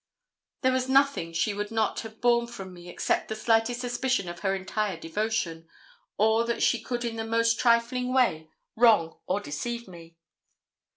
There was nothing she would not have borne from me except the slightest suspicion of her entire devotion, or that she could in the most trifling way wrong or deceive me.